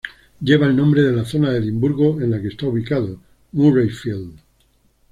Lleva el nombre de la zona de Edimburgo en la que está ubicado, Murrayfield.